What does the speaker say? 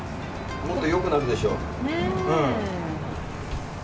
もっとよくなるでしょう。